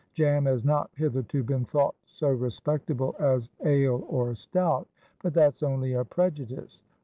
Jam has not hitherto been thought so respectable as ale or stout, but that's only a prejudice.